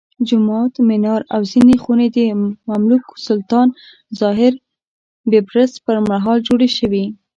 جومات، منار او ځینې خونې د مملوک سلطان الظاهر بیبرس پرمهال جوړې شوې.